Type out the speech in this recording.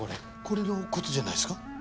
これの事じゃないですか？